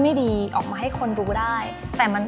บางทีการเราเอาอารมณ์ของเราไปใส่ในเนื้อเรื่องมากเกินไป